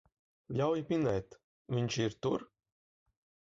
Ļauj minēt, viņš ir tur?